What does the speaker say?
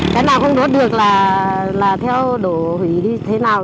cái nào không đốt được là theo đổ hủy đi thế nào